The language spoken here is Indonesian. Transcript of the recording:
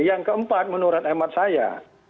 yang keempat menurut emat saya